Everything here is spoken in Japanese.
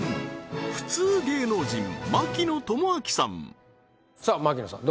普通芸能人槙野智章さんさあ槙野さん